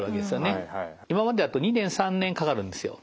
今までだと２年３年かかるんですよ。